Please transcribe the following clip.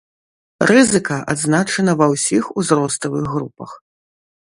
Рызыка адзначана ва ўсіх узроставых групах.